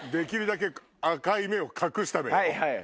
はいはい！